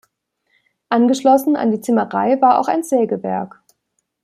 Angeschlossen an die Zimmerei war auch ein Sägewerk.